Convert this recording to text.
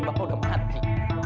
gak ada yang mati